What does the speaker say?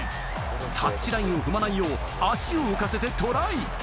タッチラインを踏まないよう、足を浮かせてトライ！